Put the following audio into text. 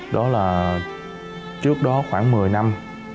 đó là trước đó khoảng một mươi năm